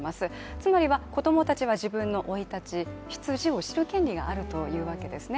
つまりは、子供たちは自分の生い立ち出自を知る権利があるというわけですね。